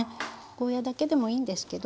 ゴーヤーだけでもいいんですけど。